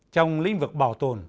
trong lĩnh vực bảo tồn